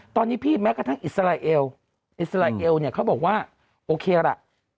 ตอนนี้แม้กระทั่งอิสไลเเอลเขาบอกว่าโอเคล่ะ